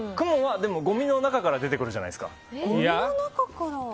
でも、ごみの中から出てくるじゃないですか。